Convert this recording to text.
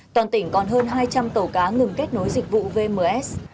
toàn tỉnh còn hơn hai trăm linh tàu cá ngừng kết nối dịch vụ vms